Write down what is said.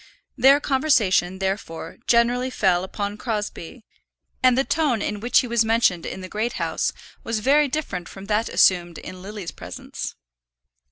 Their conversation, therefore, generally fell upon Crosbie, and the tone in which he was mentioned in the Great House was very different from that assumed in Lily's presence.